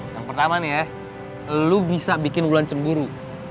yang pertama nih ya lu bisa bikin bulan cemburu